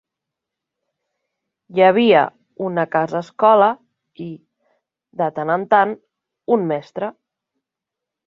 Hi havia una casa-escola i, de tant en tant, un mestre.